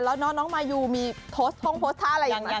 แล้วน้องมายูมีห้องโพสต์ท่าอะไรอยู่